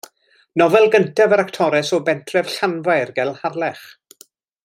Nofel gyntaf yr actores o bentref Llanfair ger Harlech.